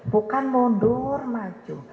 bukan mundur maju